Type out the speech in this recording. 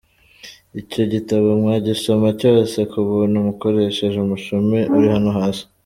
Icyo gitabo mwagisoma cyose ku buntu mukoresheje umushumi uri hano hasi: